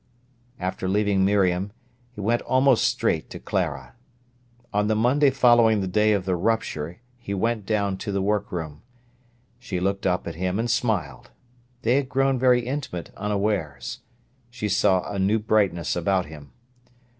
After leaving Miriam he went almost straight to Clara. On the Monday following the day of the rupture he went down to the work room. She looked up at him and smiled. They had grown very intimate unawares. She saw a new brightness about him.